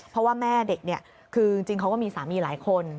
เพราะว่าแม่เด็กเนี่ยคือจริงเขาก็มีสามีหลายคน